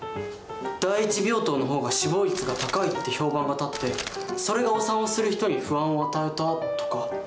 第一病棟の方が死亡率が高いって評判が立ってそれがお産をする人に不安を与えたとか。